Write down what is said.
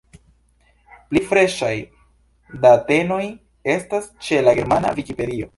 Pli freŝaj datenoj estas ĉe la Germana Vikipedio!